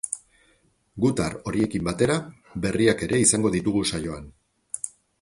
Gutar horiekin batera, berriak ere izango ditugu saioan.